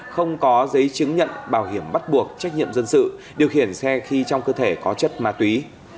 không có giấy chứng nhận bảo hiểm bắt buộc trách nhiệm dân sự điều khiển xe khi trong cơ thể có chất ma túy